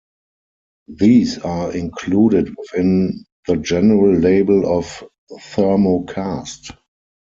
These are included within the general label of thermokarst.